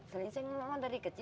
selingsing ini memang dari kecil